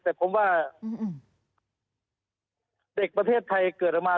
แต่ผมว่าเด็กประเทศไทยเกิดออกมา